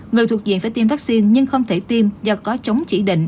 người thuộc diện phải tiêm vaccine nhưng không thể tiêm do có chống chỉ định